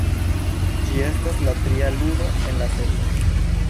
Ĝi estas la tria ludo en la serio.